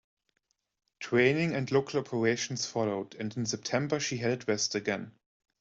Training and local operations followed and in September she headed west again.